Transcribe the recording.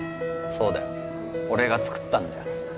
そうだよ俺が作ったんだよ